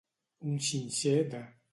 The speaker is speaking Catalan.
Un xinxer de.